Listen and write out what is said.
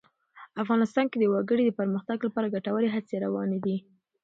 افغانستان کې د وګړي د پرمختګ لپاره ګټورې هڅې روانې دي.